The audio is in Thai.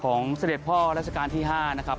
ของเศรษฐพรยที่๕นะครับ